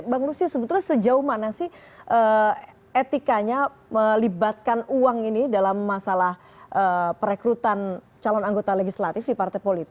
bang lusius sebetulnya sejauh mana sih etikanya melibatkan uang ini dalam masalah perekrutan calon anggota legislatif di partai politik